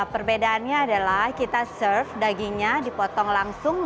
perbedaannya adalah kita serve dagingnya dipotong langsung